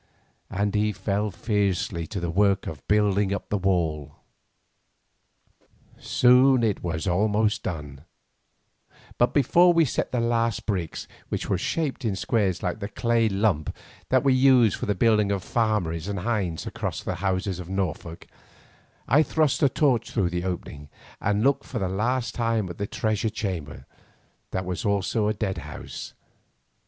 And he fell fiercely to the work of building up the wall. Soon it was almost done; but before we set the last bricks, which were shaped in squares like the clay lump that we use for the building of farmeries and hinds' houses in Norfolk, I thrust a torch through the opening and looked for the last time at the treasure chamber that was also a dead house.